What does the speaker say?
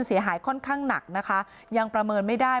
เสียหายค่อนข้างหนักนะคะยังประเมินไม่ได้